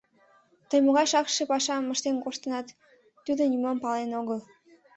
— Тый могай шакше пашам ыштыл коштынат — Тудо нимом пален огыл.